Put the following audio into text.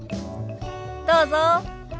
どうぞ。